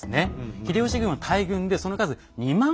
秀吉軍は大軍でその数２万以上。